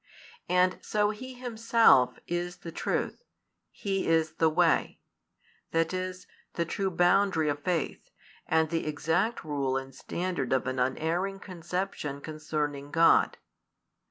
And so He Himself is the Truth, He is the Way; that is, the true boundary of faith, and the exact rule and standard of an unerring conception concerning God.